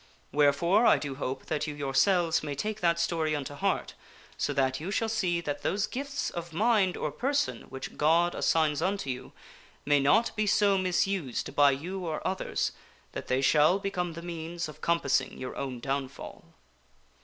Wherefore I do hope that you yourselves may take that story unto heart so that you shall see that those gifts of mind or 152 FOREWORD person which God assigns unto you may not be so misused by you or others that they shall become the means of compassing your own downfall.